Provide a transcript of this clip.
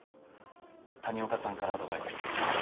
谷岡さんからアドバイスをもらって。